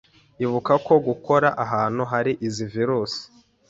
Ibuka ko gukora ahantu hari izi virus